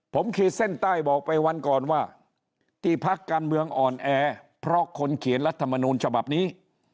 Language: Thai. ผมขีดเส้นใต้บอกไปวันก่อนว่าที่พักการเมืองอ่อนแอเพราะคนเขียนรัฐมนูลฉบับนี้